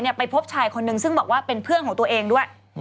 ไปพบชายคนนึงซึ่งบอกว่าเป็นเพื่อนของตัวเองด้วย